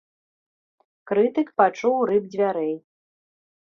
Крытык пачуў рып дзвярэй.